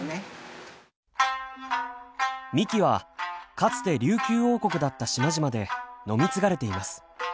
みきはかつて琉球王国だった島々で飲み継がれています。